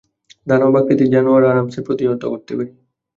দানব আকৃতির জানোয়ার, আরামসে প্রতিহত করতে পারি।